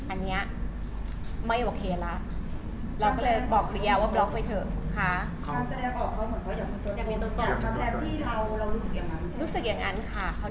อันนี้ไม่โอเคแล้วเราก็เลยบอกภรรยาว่าบล็อกไปเถอะค่ะ